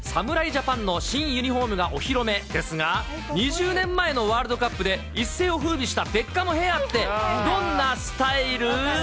ジャパンの新ユニホームがお披露目ですが、２０年前のワールドカップで、一世をふうびしたベッカムヘアってどんなスタイル？